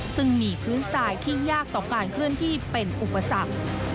ซึ่งมีพื้นทรายที่ยากต่อการเคลื่อนที่เป็นอุปสรรค